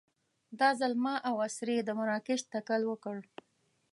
دا ځل ما او اسرې د مراکش تکل وکړ.